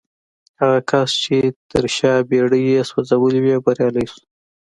هغه کس چې تر شا بېړۍ يې سوځولې وې بريالی شو.